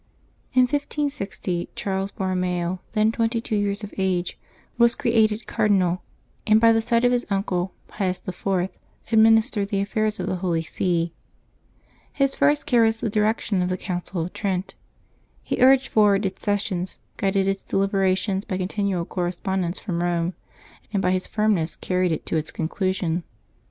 In 1560 Charles Borromeo, then twenty two years of age, was created cardinal, and by NovEMBEB 5] LIVES OF THE SAINTS 351 the side of his uncle, Pius lY., administered the affairs of the Holy See. His first care was the direction of the Council of Trent. He urged forward its sessions, guided its deliberations by continual correspondence from Rome, and by his firmness carried it to its conclusion.